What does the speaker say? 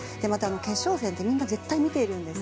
決勝戦ってみんな絶対に見ているんです。